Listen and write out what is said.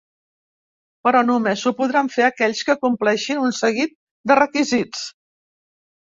Però només ho podran fer aquells que compleixin un seguit de requisits.